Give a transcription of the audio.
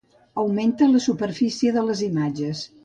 Augmenta la superfície de les imatges.